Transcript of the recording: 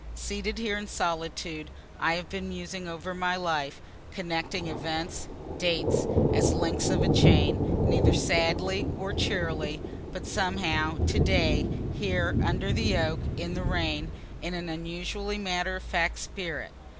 Seated here in solitude I have been musing over my life connecting events, dates, as links of a chain, neither sadly nor cheerily, but somehow, to day here under the oak, in the rain, in an unusually matter of fact spirit.